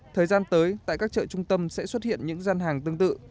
thời gian tới tại các chợ trung tâm sẽ xuất hiện những gian hàng tương tự